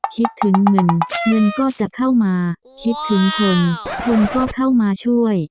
คิดถึงเงินเงินก็จะเข้ามาคิดถึงคนคนก็เข้ามาช่วย